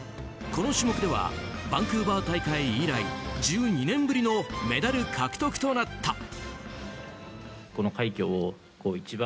この種目ではバンクーバー大会以来１２年ぶりのメダル獲得となった。